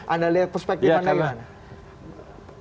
anda lihat perspektif anda gimana